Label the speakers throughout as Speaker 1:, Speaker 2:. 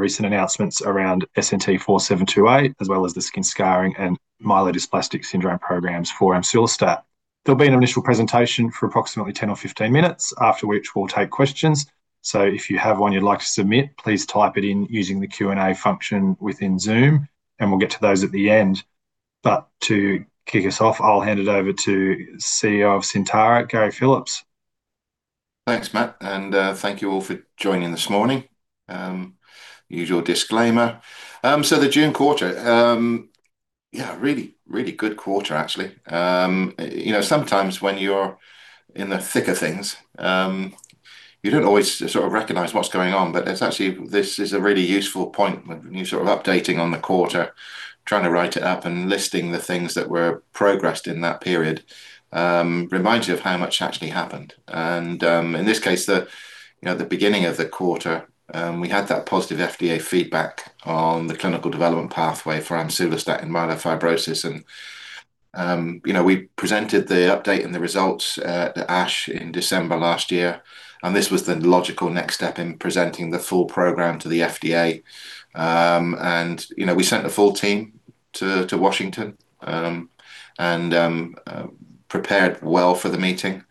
Speaker 1: The recent announcements around SNT-4728, as well as the skin scarring and myelodysplastic syndrome programs for amsulostat. There will be an initial presentation for approximately 10 or 15 minutes, after which we will take questions. If you have one you would like to submit, please type it in using the Q&A function within Zoom, and we will get to those at the end. To kick us off, I will hand it over to CEO of Syntara, Gary Phillips.
Speaker 2: Thanks, Matt, and thank you all for joining this morning. Usual disclaimer. The June quarter. Yeah, a really good quarter, actually. Sometimes when you are in the thick of things, you do not always sort of recognize what is going on. But it is actually this is a really useful point when you are sort of updating on the quarter, trying to write it up and listing the things that were progressed in that period. Reminds you of how much actually happened. In this case, at the beginning of the quarter, we had that positive FDA feedback on the clinical development pathway for amsulostat and myelofibrosis. We presented the update and the results at ASH in December last year, and this was the logical next step in presenting the full program to the FDA. We sent a full team to Washington and prepared well for the meeting.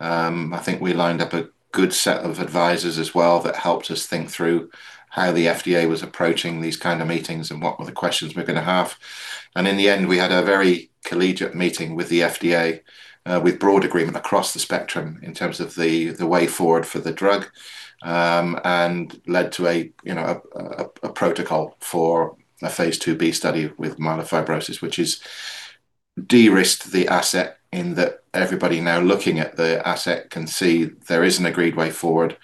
Speaker 2: I think we lined up a good set of advisors as well that helped us think through how the FDA was approaching these kind of meetings and what were the questions we are going to have. In the end, we had a very collegiate meeting with the FDA, with broad agreement across the spectrum in terms of the way forward for the drug, and led to a protocol for a phase II-B study with myelofibrosis, which has de-risked the asset in that everybody now looking at the asset can see there is an agreed way forward.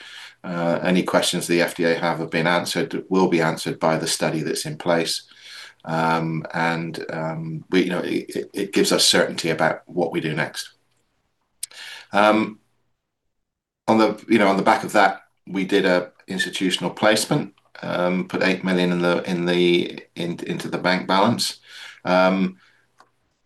Speaker 2: Any questions the FDA have been answered, will be answered by the study that is in place. It gives us certainty about what we do next. On the back of that, we did an institutional placement, put 8 million into the bank balance.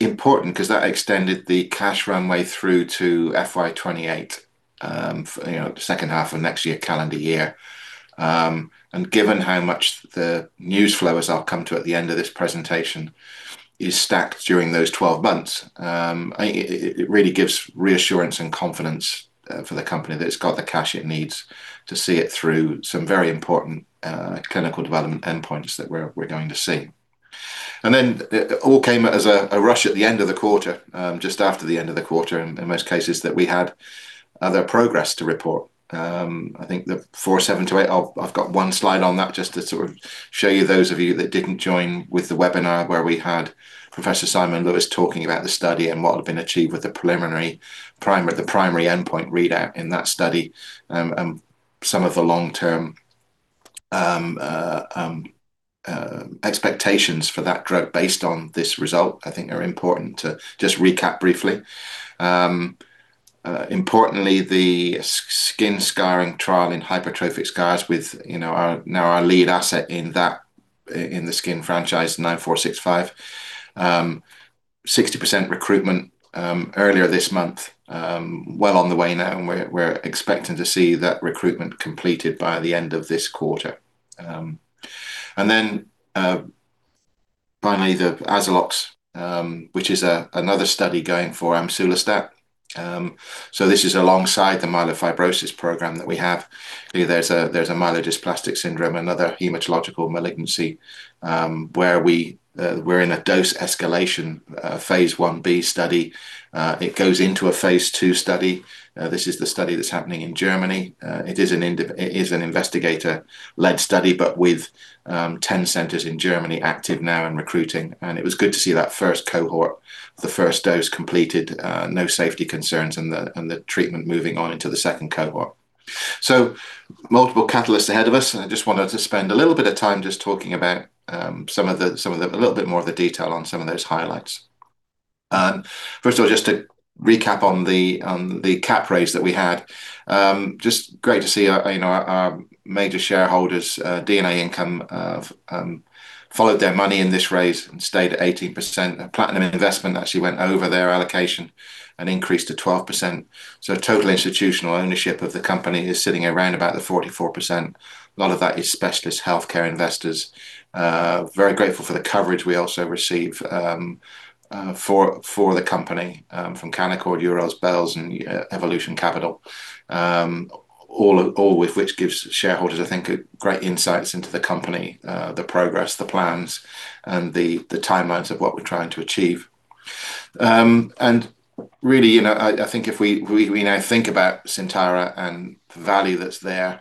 Speaker 2: Important, because that extended the cash runway through to FY 2028, the second half of next year, calendar year. Given how much the news flow, as I will come to at the end of this presentation, is stacked during those 12 months, it really gives reassurance and confidence for the company that it has got the cash it needs to see it through some very important clinical development endpoints that we are going to see. It all came as a rush at the end of the quarter, just after the end of the quarter in most cases that we had other progress to report. I think the 4728, I've got one slide on that just to sort of show you, those of you that didn't join with the webinar where we had Professor Simon Lewis talking about the study and what had been achieved with the primary endpoint readout in that study. Some of the long-term expectations for that drug based on this result I think are important to just recap briefly. Importantly, the skin scarring trial in hypertrophic scars with now our lead asset in the skin franchise, 9465. 60% recruitment earlier this month. Well on the way now, we're expecting to see that recruitment completed by the end of this quarter. Finally, the AZALOX, which is another study going for amsulostat. This is alongside the myelofibrosis program that we have. There's a myelodysplastic syndrome, another hematological malignancy, where we're in a dose escalation phase I-B study. It goes into a phase II study. This is the study that's happening in Germany. It is an investigator-led study, but with 10 centers in Germany active now and recruiting. It was good to see that first cohort, the first dose completed, no safety concerns and the treatment moving on into the second cohort. Multiple catalysts ahead of us, I just wanted to spend a little bit of time just talking about a little bit more of the detail on some of those highlights. First of all, just to recap on the cap raise that we had. Just great to see our major shareholders, D&A Income, followed their money in this raise and stayed at 18%. Platinum Investment actually went over their allocation and increased to 12%. Total institutional ownership of the company is sitting around about the 44%. A lot of that is specialist healthcare investors. Very grateful for the coverage we also receive for the company from Canaccord, Euroz, Bell, and Evolution Capital. All with which gives shareholders, I think, great insights into the company, the progress, the plans, and the timelines of what we're trying to achieve. Really, I think if we now think about Syntara and the value that's there,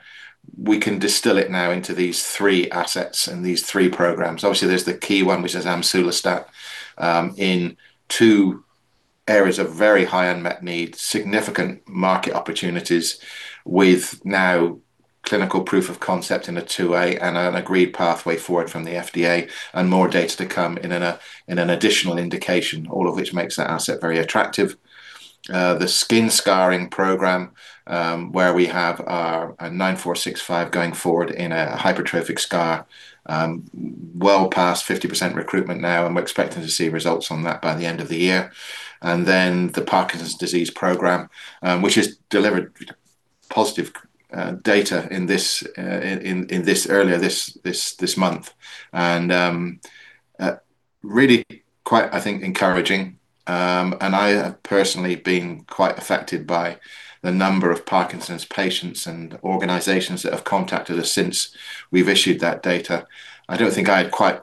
Speaker 2: we can distill it now into these three assets and these three programs. Obviously, there's the key one, which is amsulostat, in two areas of very high unmet need, significant market opportunities with now clinical proof of concept in a phase II-A and an agreed pathway forward from the FDA and more data to come in an additional indication. All of which makes that asset very attractive. The skin scarring program, where we have our 9465 going forward in a hypertrophic scar. Well past 50% recruitment now, we're expecting to see results on that by the end of the year. The Parkinson's disease program, which has delivered positive data earlier this month. Really quite, I think, encouraging. I have personally been quite affected by the number of Parkinson's patients and organizations that have contacted us since we've issued that data. I don't think I had quite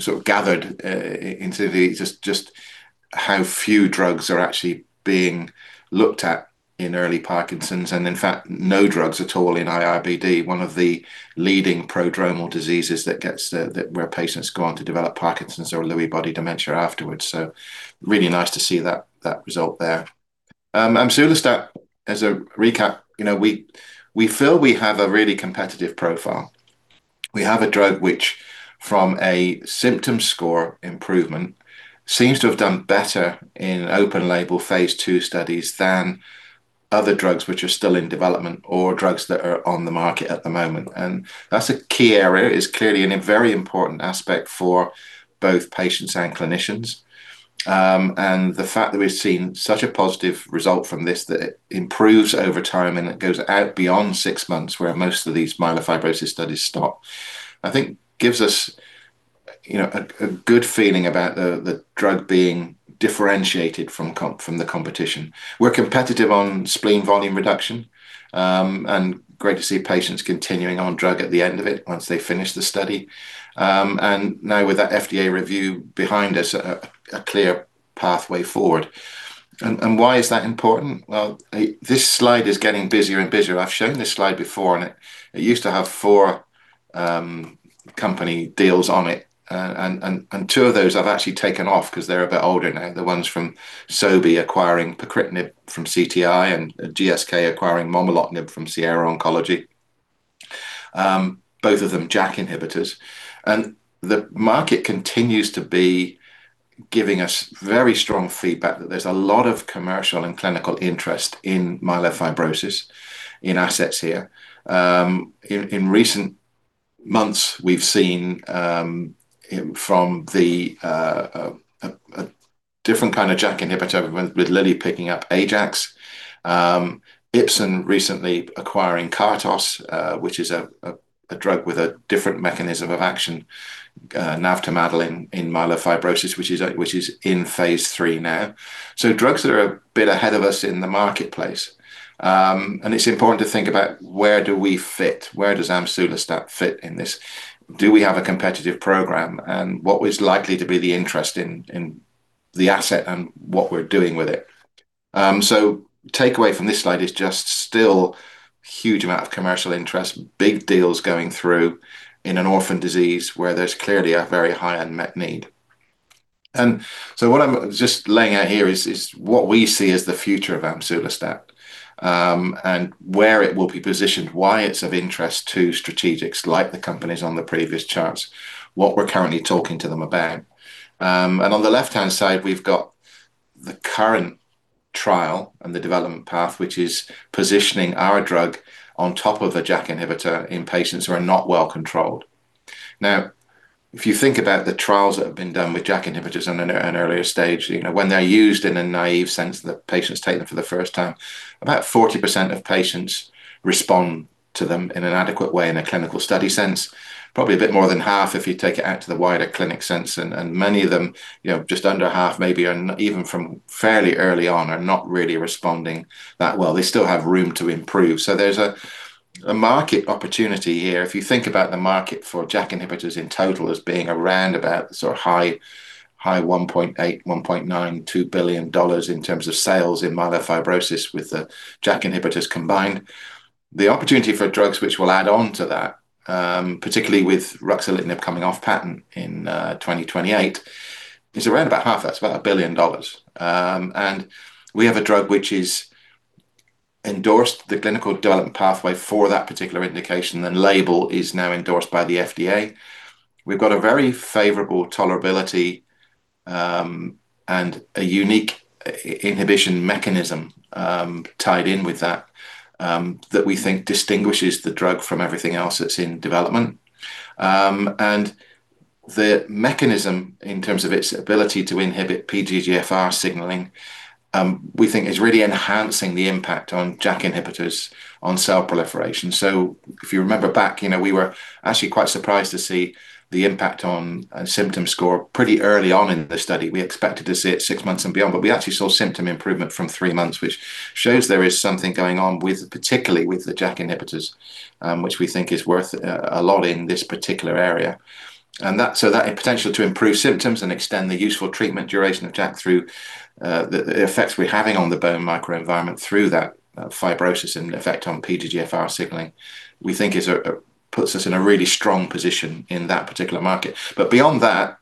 Speaker 2: sort of gathered into just how few drugs are actually being looked at in early Parkinson's, and in fact, no drugs at all in iRBD, one of the leading prodromal diseases where patients go on to develop Parkinson's or Lewy body dementia afterwards. Really nice to see that result there. I'm sure that as a recap, we feel we have a really competitive profile. We have a drug which, from a symptom score improvement, seems to have done better in open label phase II studies than other drugs which are still in development or drugs that are on the market at the moment. That's a key area. It's clearly a very important aspect for both patients and clinicians. The fact that we've seen such a positive result from this that it improves over time and it goes out beyond six months where most of these myelofibrosis studies stop, I think gives us a good feeling about the drug being differentiated from the competition. We're competitive on spleen volume reduction, and great to see patients continuing on drug at the end of it once they finish the study. Now with that FDA review behind us, a clear pathway forward. Why is that important? This slide is getting busier and busier. I've shown this slide before, it used to have four company deals on it, two of those I've actually taken off because they're a bit older now. The ones from Sobi acquiring pacritinib from CTI and GSK acquiring momelotinib from Sierra Oncology. Both of them JAK inhibitors. The market continues to be giving us very strong feedback that there's a lot of commercial and clinical interest in myelofibrosis in assets here. In recent months, we've seen from the different kind of JAK inhibitor with Lilly picking up Ajax. Ipsen recently acquiring Kartos, which is a drug with a different mechanism of action, navtemadlin in myelofibrosis, which is in phase III now. Drugs that are a bit ahead of us in the marketplace. It's important to think about where do we fit, where does amsulostat fit in this? Do we have a competitive program, and what is likely to be the interest in the asset and what we're doing with it? Takeaway from this slide is just still huge amount of commercial interest, big deals going through in an orphan disease where there's clearly a very high unmet need. What I'm just laying out here is what we see as the future of amsulostat, and where it will be positioned, why it's of interest to strategics like the companies on the previous charts, what we're currently talking to them about. On the left-hand side, we've got the current trial and the development path, which is positioning our drug on top of a JAK inhibitor in patients who are not well-controlled. Now, if you think about the trials that have been done with JAK inhibitors in an earlier stage, when they're used in a naive sense that patients take them for the first time, about 40% of patients respond to them in an adequate way in a clinical study sense. Probably a bit more than half if you take it out to the wider clinic sense. Many of them, just under half maybe, even from fairly early on, are not really responding that well. They still have room to improve. There's a market opportunity here. If you think about the market for JAK inhibitors in total as being around about sort of high 1.8 billion, 1.9 billion, 2 billion dollars in terms of sales in myelofibrosis with the JAK inhibitors combined. The opportunity for drugs which will add on to that, particularly with ruxolitinib coming off patent in 2028, is around about half that. About 1 billion dollars. We have a drug which is endorsed the clinical development pathway for that particular indication. The label is now endorsed by the FDA. We've got a very favorable tolerability, a unique inhibition mechanism tied in with that we think distinguishes the drug from everything else that's in development. The mechanism in terms of its ability to inhibit PDGFR signaling, we think is really enhancing the impact on JAK inhibitors on cell proliferation. If you remember back, we were actually quite surprised to see the impact on symptom score pretty early on in the study. We expected to see it six months and beyond, we actually saw symptom improvement from three months, which shows there is something going on particularly with the JAK inhibitors, which we think is worth a lot in this particular area. That potential to improve symptoms and extend the useful treatment duration of JAK through the effects we're having on the bone microenvironment through that fibrosis and effect on PDGFR signaling, we think puts us in a really strong position in that particular market. Beyond that,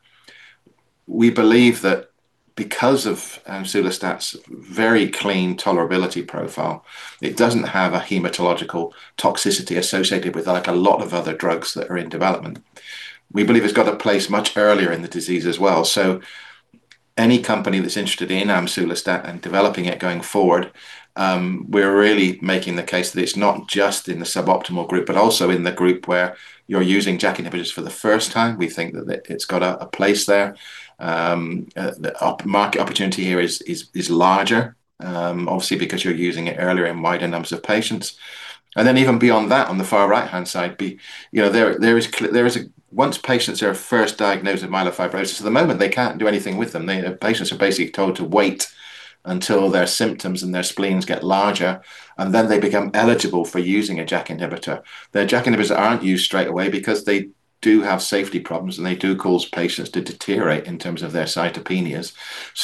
Speaker 2: we believe that because of amsulostat's very clean tolerability profile, it doesn't have a hematological toxicity associated with like a lot of other drugs that are in development. We believe it's got a place much earlier in the disease as well. Any company that's interested in amsulostat and developing it going forward, we're really making the case that it's not just in the suboptimal group, but also in the group where you're using JAK inhibitors for the first time. We think that it's got a place there. The market opportunity here is larger, obviously because you're using it earlier in wider numbers of patients. Even beyond that, on the far right-hand side, once patients are first diagnosed with myelofibrosis, at the moment, they can't do anything with them. Patients are basically told to wait until their symptoms and their spleens get larger, then they become eligible for using a JAK inhibitor. The JAK inhibitors aren't used straight away because they do have safety problems, they do cause patients to deteriorate in terms of their cytopenias.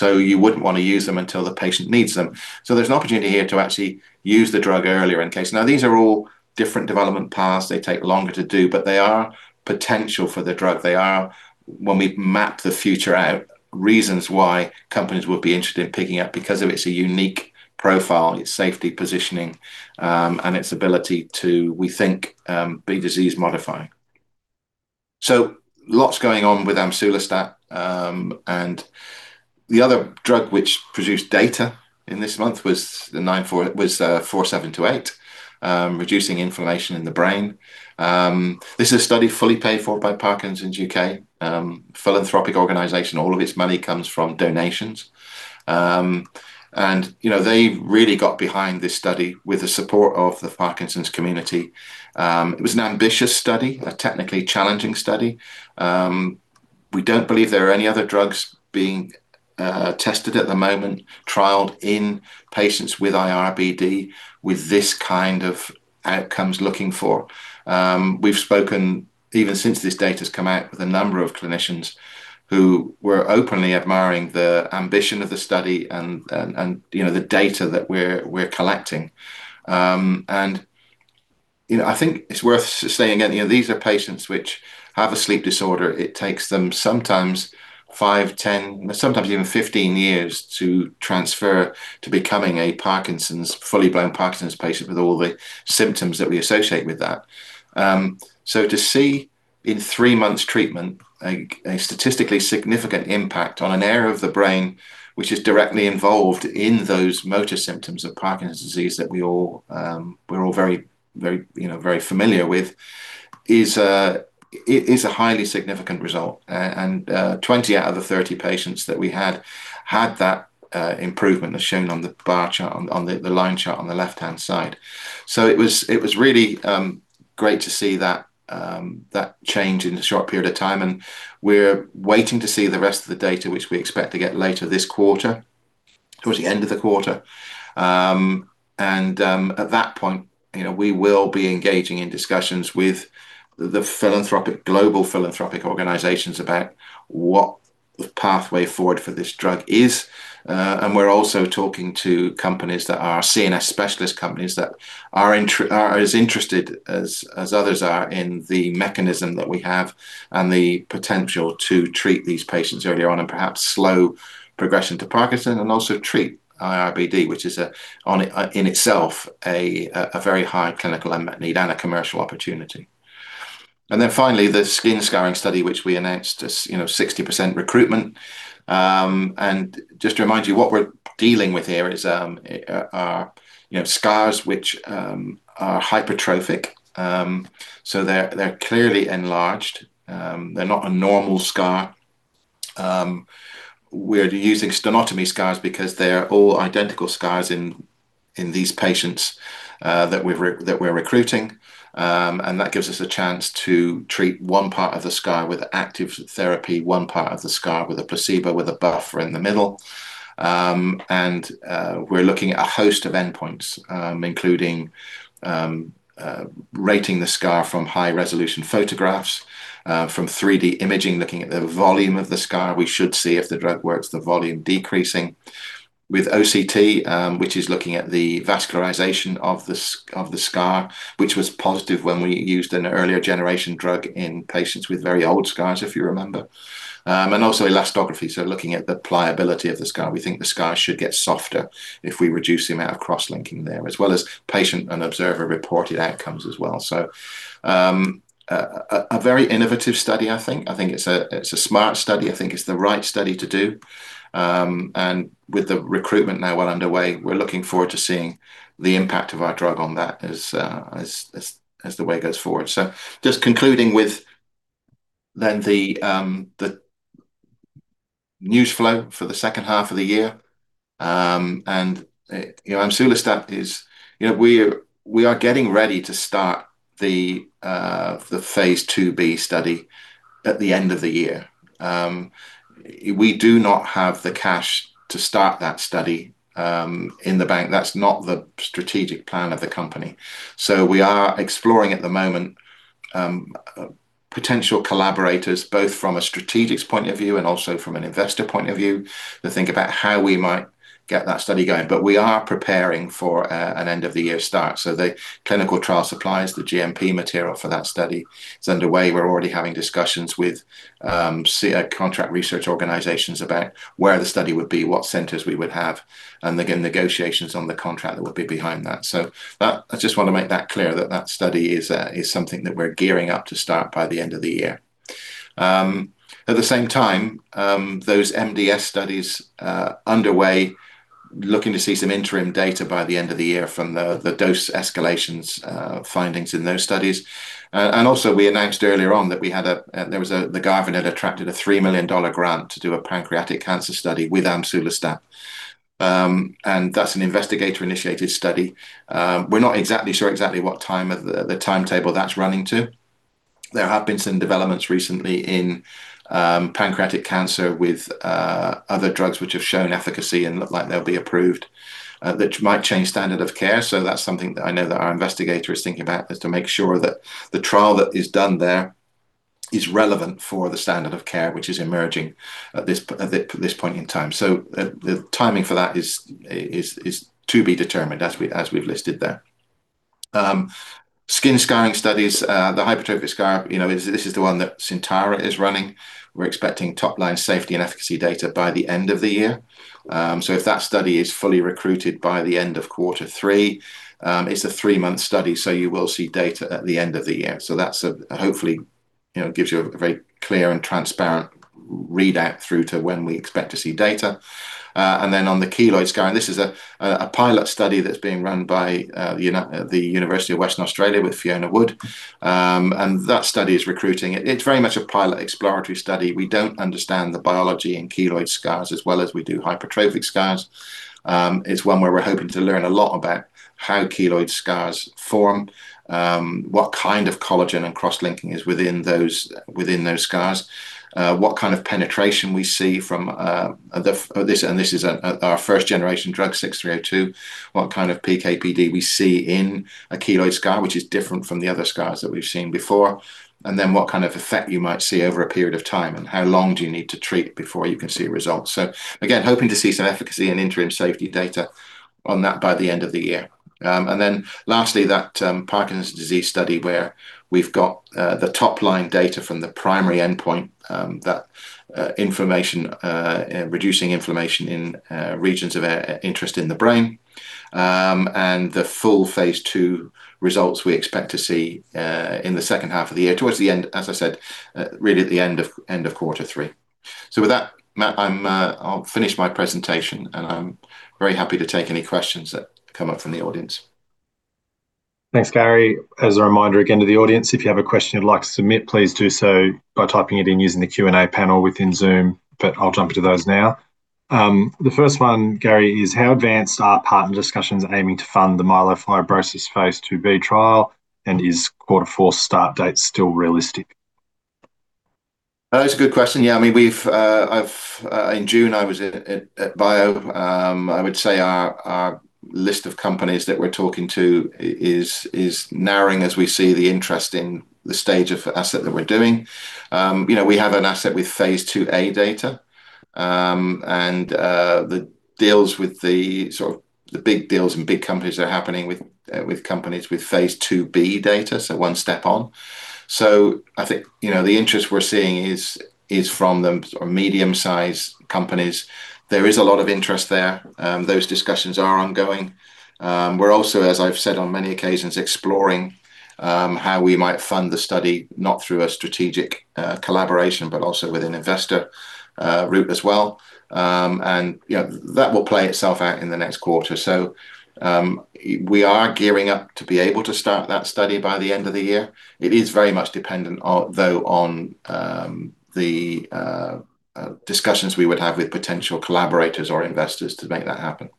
Speaker 2: You wouldn't want to use them until the patient needs them. There's an opportunity here to actually use the drug earlier in case. These are all different development paths. They take longer to do, but they are potential for the drug. They are, when we map the future out, reasons why companies would be interested in picking it up because of its unique profile, its safety positioning, its ability to, we think, be disease-modifying. Lots going on with amsulostat. The other drug which produced data in this month was the 4728, reducing inflammation in the brain. This is a study fully paid for by Parkinson's U.K., a philanthropic organization. All of its money comes from donations. They really got behind this study with the support of the Parkinson's community. It was an ambitious study, a technically challenging study. We don't believe there are any other drugs being tested at the moment, trialed in patients with iRBD with this kind of outcomes looking for. We've spoken even since this data's come out with a number of clinicians who were openly admiring the ambition of the study and the data that we're collecting. I think it's worth saying again, these are patients which have a sleep disorder. It takes them sometimes five, 10, sometimes even 15 years to transfer to becoming a fully blown Parkinson's patient with all the symptoms that we associate with that. So to see in three months treatment a statistically significant impact on an area of the brain which is directly involved in those motor symptoms of Parkinson's disease that we're all very familiar with is a highly significant result. 20 out of the 30 patients that we had had that improvement as shown on the line chart on the left-hand side. It was really great to see that change in a short period of time. We're waiting to see the rest of the data, which we expect to get later this quarter, towards the end of the quarter. At that point, we will be engaging in discussions with the global philanthropic organizations about what the pathway forward for this drug is. We're also talking to companies that are CNS specialist companies that are as interested as others are in the mechanism that we have and the potential to treat these patients earlier on and perhaps slow progression to Parkinson's and also treat iRBD, which is in itself a very high clinical unmet need and a commercial opportunity. Finally, the skin scarring study, which we announced as 60% recruitment. Just to remind you, what we're dealing with here are scars which are hypertrophic. They're clearly enlarged. They're not a normal scar. We're using sternotomy scars because they're all identical scars in these patients that we're recruiting. That gives us a chance to treat one part of the scar with active therapy, one part of the scar with a placebo, with a buffer in the middle. We're looking at a host of endpoints including rating the scar from high-resolution photographs from 3D imaging, looking at the volume of the scar. We should see if the drug works, the volume decreasing. With OCT, which is looking at the vascularization of the scar, which was positive when we used an earlier generation drug in patients with very old scars, if you remember. Also elastography, so looking at the pliability of the scar. We think the scar should get softer if we reduce the amount of cross-linking there. As well as patient and observer-reported outcomes as well. A very innovative study, I think. I think it's a smart study. I think it's the right study to do. With the recruitment now well underway, we're looking forward to seeing the impact of our drug on that as the way goes forward. Just concluding with then the news flow for the second half of the year. Amsulostat is we are getting ready to start the phase II-B study at the end of the year. We do not have the cash to start that study in the bank. That's not the strategic plan of the company. We are exploring at the moment potential collaborators, both from a strategic point of view and also from an investor point of view, to think about how we might get that study going. We are preparing for an end-of-the-year start. The clinical trial supplies, the GMP material for that study is underway. We're already having discussions with contract research organizations about where the study would be, what centers we would have, and again, negotiations on the contract that would be behind that. I just want to make that clear that that study is something that we're gearing up to start by the end of the year. At the same time, those MDS studies underway, looking to see some interim data by the end of the year from the dose escalations findings in those studies. We announced earlier on that the Garvan had attracted an 3 million dollar grant to do a pancreatic cancer study with amsulostat, and that's an investigator-initiated study. We're not exactly sure exactly what time of the timetable that's running to. There have been some developments recently in pancreatic cancer with other drugs which have shown efficacy and look like they'll be approved that might change standard of care. That's something that I know that our investigator is thinking about, is to make sure that the trial that is done there is relevant for the standard of care which is emerging at this point in time. The timing for that is to be determined as we've listed there. Skin scarring studies, the hypertrophic scar, this is the one that Syntara is running. We're expecting top-line safety and efficacy data by the end of the year. If that study is fully recruited by the end of quarter three, it's a three-month study, you will see data at the end of the year. That hopefully gives you a very clear and transparent readout through to when we expect to see data. On the keloid scarring, this is a pilot study that's being run by the University of Western Australia with Fiona Wood. That study is recruiting. It's very much a pilot exploratory study. We don't understand the biology in keloid scars as well as we do hypertrophic scars. It's one where we're hoping to learn a lot about how keloid scars form, what kind of collagen and cross-linking is within those scars, what kind of penetration we see from this, and this is our first-generation drug 6302, what kind of PK/PD we see in a keloid scar, which is different from the other scars that we've seen before, and then what kind of effect you might see over a period of time, and how long do you need to treat before you can see results. Again, hoping to see some efficacy and interim safety data on that by the end of the year. Lastly, that Parkinson's disease study where we've got the top-line data from the primary endpoint, that reducing inflammation in regions of interest in the brain, and the full phase II results we expect to see in the second half of the year towards the end, as I said, really at the end of quarter three. With that, Matt, I'll finish my presentation, and I'm very happy to take any questions that come up from the audience.
Speaker 1: Thanks, Gary. As a reminder again to the audience, if you have a question you'd like to submit, please do so by typing it in using the Q&A panel within Zoom. I'll jump into those now. The first one, Gary, is how advanced are partner discussions aiming to fund the myelofibrosis phase II-B trial, and is quarter four start date still realistic?
Speaker 2: That's a good question. In June I was at BIO. I would say our list of companies that we're talking to is narrowing as we see the interest in the stage of asset that we're doing. We have an asset with phase II-A data, and the big deals and big companies are happening with companies with phase II-B data, so one step on. I think the interest we're seeing is from the medium-sized companies. There is a lot of interest there. Those discussions are ongoing. We're also, as I've said on many occasions, exploring how we might fund the study, not through a strategic collaboration, but also with an investor route as well. That will play itself out in the next quarter. We are gearing up to be able to start that study by the end of the year. It is very much dependent, though, on the discussions we would have with potential collaborators or investors to make that happen.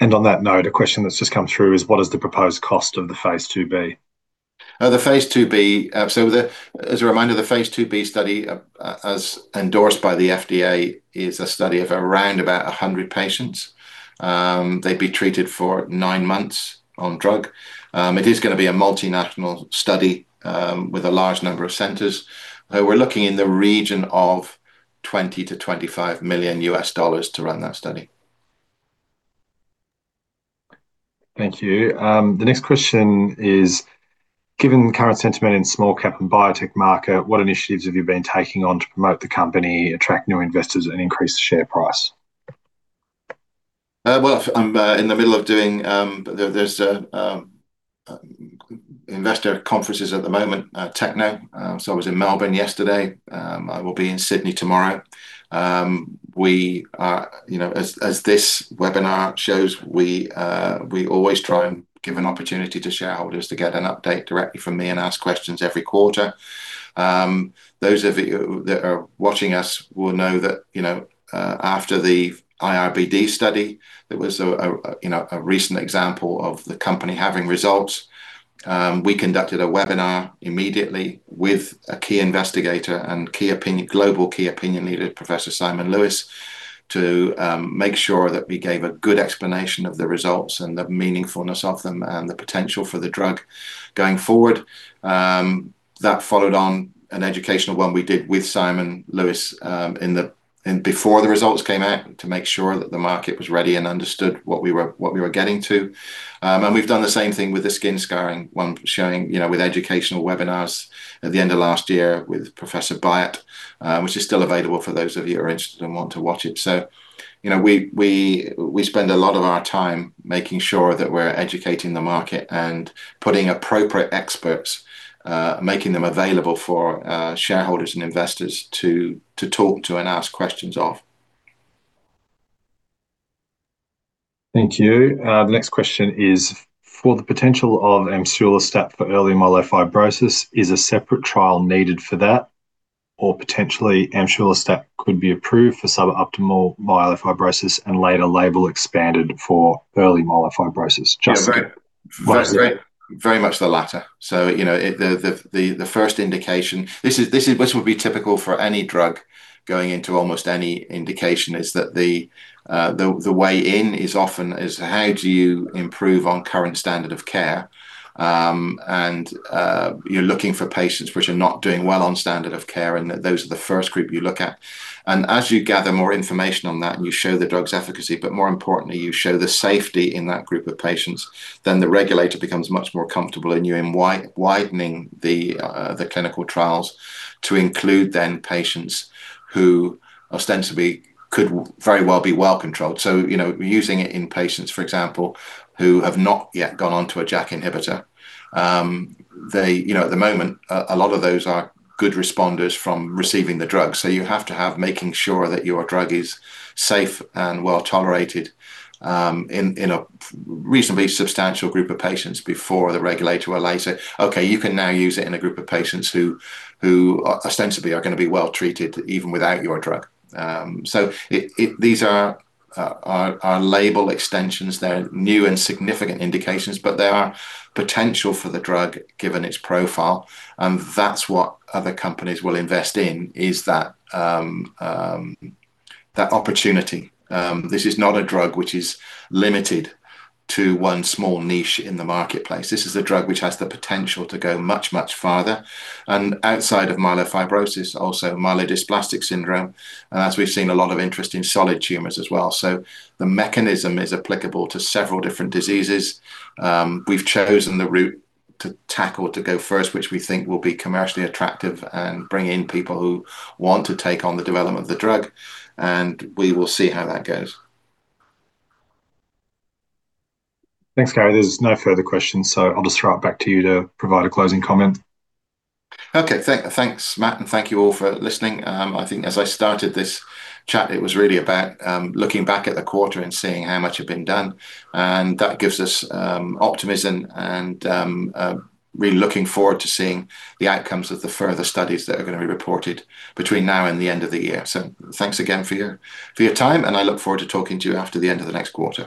Speaker 1: On that note, a question that's just come through is what is the proposed cost of the phase II-B?
Speaker 2: The phase II-B. As a reminder, the phase II-B study, as endorsed by the FDA, is a study of around about 100 patients. They'd be treated for nine months on drug. It is going to be a multinational study with a large number of centers. We're looking in the region of $20 million-$25 million to run that study.
Speaker 1: Thank you. The next question is, given the current sentiment in small cap and biotech market, what initiatives have you been taking on to promote the company, attract new investors and increase the share price?
Speaker 2: Well, I'm in the middle of doing investor conferences at the moment. TechKnow. I was in Melbourne yesterday. I will be in Sydney tomorrow. As this webinar shows, we always try and give an opportunity to shareholders to get an update directly from me and ask questions every quarter. Those of you that are watching us will know that after the iRBD study, there was a recent example of the company having results. We conducted a webinar immediately with a key investigator and global key opinion leader, Professor Simon Lewis, to make sure that we gave a good explanation of the results and the meaningfulness of them and the potential for the drug going forward. That followed on an educational one we did with Simon Lewis before the results came out to make sure that the market was ready and understood what we were getting to. We've done the same thing with the skin scarring one, showing with educational webinars at the end of last year with Professor Bayat, which is still available for those of you who are interested and want to watch it. We spend a lot of our time making sure that we're educating the market and putting appropriate experts, making them available for shareholders and investors to talk to and ask questions of.
Speaker 1: Thank you. The next question is: for the potential of amsulostat for early myelofibrosis, is a separate trial needed for that? Or potentially amsulostat could be approved for suboptimal myelofibrosis and later label expanded for early myelofibrosis?
Speaker 2: Yeah. Very much the latter. The first indication This would be typical for any drug going into almost any indication, is that the way in is often is how do you improve on current standard of care? You're looking for patients which are not doing well on standard of care, and those are the first group you look at. As you gather more information on that and you show the drug's efficacy, but more importantly, you show the safety in that group of patients, then the regulator becomes much more comfortable in you in widening the clinical trials to include then patients who ostensibly could very well be well-controlled. Using it in patients, for example, who have not yet gone onto a JAK inhibitor. At the moment, a lot of those are good responders from receiving the drug. You have to have making sure that your drug is safe and well-tolerated in a reasonably substantial group of patients before the regulator will now say, okay, you can now use it in a group of patients who ostensibly are going to be well-treated even without your drug. These are label extensions. They're new and significant indications, but they are potential for the drug given its profile. That's what other companies will invest in, is that opportunity. This is not a drug which is limited to one small niche in the marketplace. This is a drug which has the potential to go much, much farther. Outside of myelofibrosis, also myelodysplastic syndrome. As we've seen, a lot of interest in solid tumors as well. The mechanism is applicable to several different diseases. We've chosen the route to tackle or to go first, which we think will be commercially attractive and bring in people who want to take on the development of the drug. We will see how that goes.
Speaker 1: Thanks, Gary. There's no further questions. I'll just throw it back to you to provide a closing comment.
Speaker 2: Okay. Thanks, Matt. Thank you all for listening. I think as I started this chat, it was really about looking back at the quarter and seeing how much had been done. That gives us optimism and really looking forward to seeing the outcomes of the further studies that are going to be reported between now and the end of the year. Thanks again for your time, and I look forward to talking to you after the end of the next quarter.